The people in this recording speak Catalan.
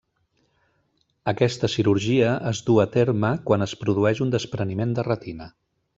Aquesta cirurgia es duu a terme quan es produeix un despreniment de retina.